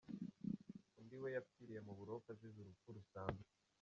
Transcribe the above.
Undi we yapfiriye mu buroko azize urupfu rusanzwe.